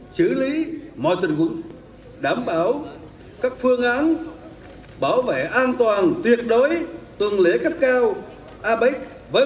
xử lý mọi tình huống đảm bảo các phương án bảo vệ an toàn tuyệt đối tuần lễ cấp cao apec